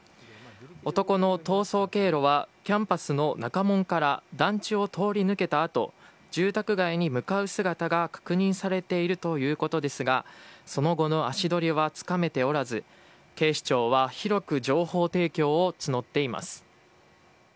男の逃走経路は、キャンパスの中門から団地を通り抜けたあと、住宅街に向かう姿が確認されているということですが、その後の足取りはつかめておらず、警視庁は広く情報提供を募っています。